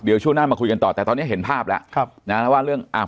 เดี๋ยวช่วงหน้ามาคุยกันต่อแต่ตอนนี้เห็นภาพแล้วครับนะว่าเรื่องอ่า